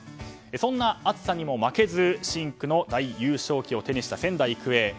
そんな暑さにも負けず深紅の大優勝旗を手にした仙台育英。